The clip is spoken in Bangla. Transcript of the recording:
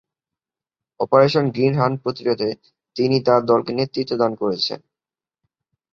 অপারেশন গ্রীন হান্ট প্রতিরোধে তিনি তার দলকে নেতৃত্ব দান করছেন।